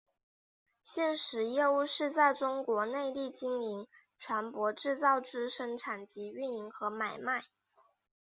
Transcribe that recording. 现时业务是在中国内地经营船舶制造之生产及营运和买卖。